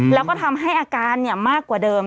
แล้วก็ทำให้อาการมากกว่าเดิม